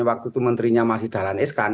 waktu itu menterinya masih dalam s kan